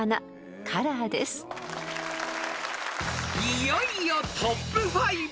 ［いよいよトップ５］